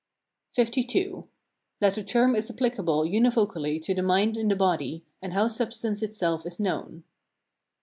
LII. That the term is applicable univocally to the mind and the body, and how substance itself is known.